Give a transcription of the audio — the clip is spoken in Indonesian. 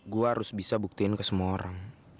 gue harus bisa buktiin ke semua orang